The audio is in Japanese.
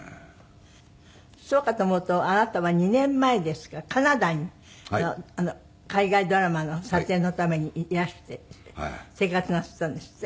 そうかと思うとあなたは２年前ですかカナダに海外ドラマの撮影のためにいらして生活なすったんですって？